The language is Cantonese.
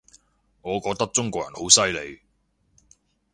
我覺得中國人好犀利